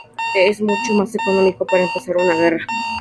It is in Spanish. Es mucho más económico que empezar una guerra"".